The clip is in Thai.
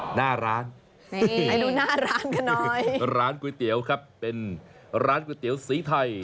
หน้าร้านนี่ให้ดูหน้าร้านกันหน่อยร้านก๋วยเตี๋ยวครับเป็นร้านก๋วยเตี๋ยวสีไทย